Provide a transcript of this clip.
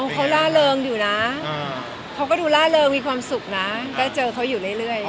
เขาล่าเริงอยู่นะเขาก็ดูล่าเริงมีความสุขนะก็เจอเขาอยู่เรื่อย